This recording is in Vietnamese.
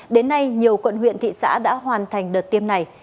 đến nay nhiều quận huyện thị xã đã hoàn thành đợt tiêm này